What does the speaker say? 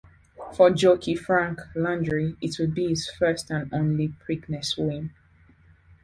For jockey Frank Landry it would be his first and only Preakness win.